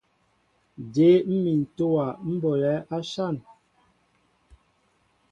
Jě mmin ntówa ḿ bolɛέ áshȃn ?